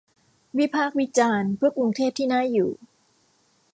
วิพากษ์วิจารณ์ เพื่อกรุงเทพที่น่าอยู่